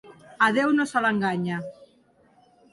A Déu no se l'enganya.